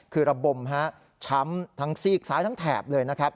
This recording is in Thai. คือระบมฮะช้ำทั้งซีกซ้ายทั้งแถบเลยนะครับ